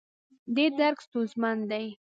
دې درک ستونزمن دی.